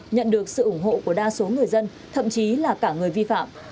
nhận được sự ủng hộ của đa số người dân thậm chí là cả người vi phạm